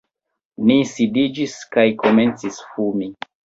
Ni sidiĝis kaj komencis fumi.